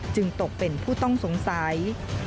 ตกเป็นผู้ต้องสงสัย